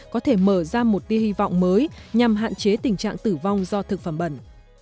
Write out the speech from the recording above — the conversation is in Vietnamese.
có thể mở ra một tia hy vọng mới nhằm hạn chế tình trạng tử vong do thực phẩm bẩn